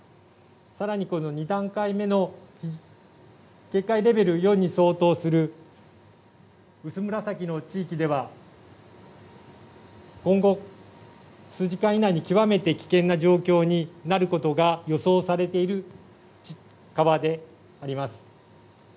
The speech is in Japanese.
さらに、この２段階目の警戒レベル４に相当する薄紫の地域では、今後、数時間以内に極めて危険な状況になることが予想されている川であります。